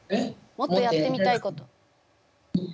もっとやってみたいこと？